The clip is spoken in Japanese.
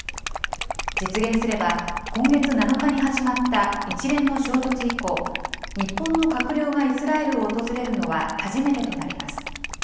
実現すれば、今月７日に始まった一連の衝突以降、日本の閣僚がイスラエルを訪れるのは初めてとなります。